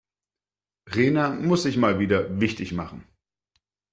Rena muss sich mal wieder wichtig machen.